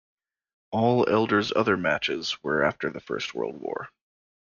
All Elder's other matches were after the First World War.